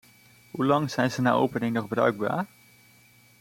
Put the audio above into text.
Hoe lang zijn ze na opening nog bruikbaar?